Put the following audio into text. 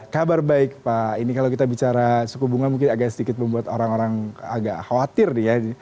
kabar baik pak ini kalau kita bicara suku bunga mungkin agak sedikit membuat orang orang agak khawatir nih ya